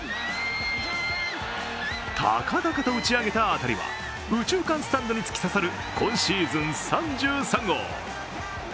高々と打ち上げた当たりは右中間スタンドに突き刺さる今シーズン３３号。